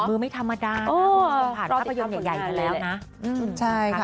ฝีมือไม่ธรรมดาโอ้พอหักที่ประโยชน์ใหญ่ใหญ่กันแล้วนะอืมใช่ค่ะ